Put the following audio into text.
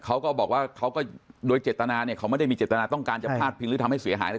เขาก็บอกว่าเขาก็โดยเจตนาเนี่ยเขาไม่ได้มีเจตนาต้องการจะพลาดพิงหรือทำให้เสียหายอะไร